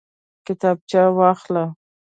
کتابچه واخله